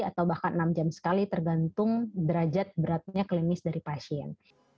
atau bahkan enam jam sekali tergantung derajat beratnya klinis dari pasien